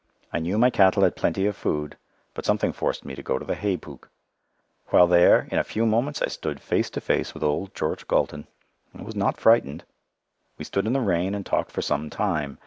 I knew my cattle had plenty of food, but something forced me to go to the hay pook. While there, in a few moments I stood face to face with old George Gaulton. I was not frightened. We stood in the rain and talked for some time.